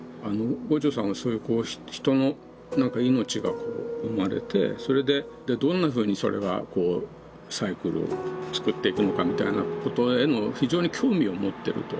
牛腸さんはそういう人の何か命が生まれてそれでどんなふうにそれがサイクルをつくっていくのかみたいなことへの非常に興味を持ってると。